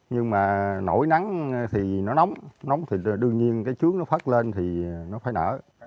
nhưng mà nổi nắng thì nó nóng nóng thì đương nhiên cái chuối nó phát lên thì nó phải nở